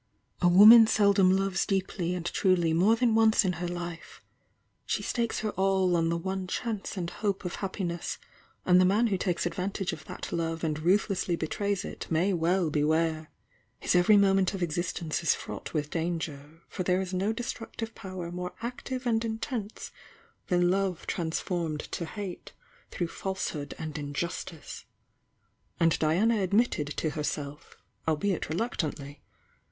A woman seldom loves deeolv and truly more than once in her Hfo she stakes her all on the one chance and h of happinws and thfi jnan who takes advantage of thatTove and ru h lessly betrays it may well beware. His every mo ment of existence is fraught with danger fo7th"re s no destructive power more active and fnten^ than ulficf "f T^'' *«^'\'*'"°"«'» falsehood a^di?," justice And Diana admitted to herself albeit r^ "«t«"«y.